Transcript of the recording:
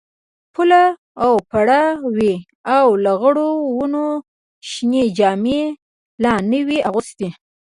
پوله وپړه وې او لغړو ونو شنې جامې لا نه وې اغوستي.